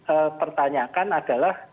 eee pertanyakan adalah